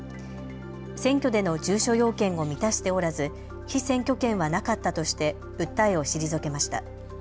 選挙での住所要件を満たしておらず被選挙権はなかったとして訴えを退けました。